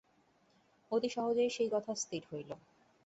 অতি সহজেই সেই কথা স্থির হইল।